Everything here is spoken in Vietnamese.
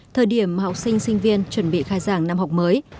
thời điểm mà học sinh sinh viên chuẩn bị khai giảng năm học mới